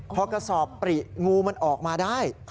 พอกระสอบปริงูมันออกมาได้